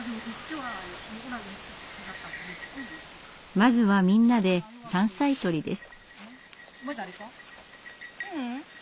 まずはみんなで山菜採りです。